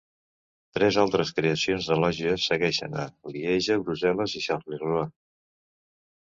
Tres altres creacions de lògies segueixen a Lieja, Brussel·les i Charleroi.